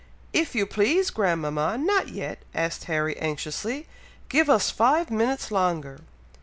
"If you please, grandmama! not yet," asked Harry, anxiously. "Give us five minutes longer!"